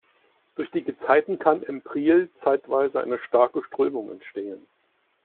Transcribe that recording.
Durch die Gezeiten kann im Priel zeitweise eine starke Strömung entstehen.